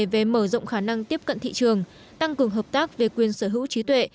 về mở rộng khả năng tiếp cận thị trường tăng cường hợp tác về quyền sở hữu trí tuệ